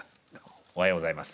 おはようございます。